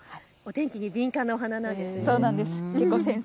お天気に敏感なお花なんですね。